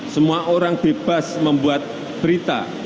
semua orang bebas membuat berita